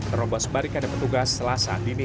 menerobos barikan petugas selasa dini